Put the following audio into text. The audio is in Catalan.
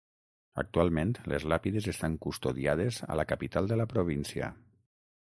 Actualment les làpides estan custodiades a la capital de la província.